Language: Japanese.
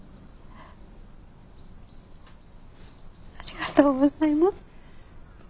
ありがとうございます。